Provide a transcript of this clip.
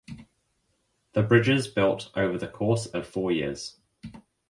The bridges built over the course of four years.